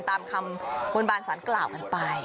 ตามคำวนบาลสรรค์กล่าวมันไป